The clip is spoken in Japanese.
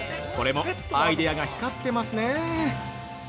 これもアイデアが光ってますね。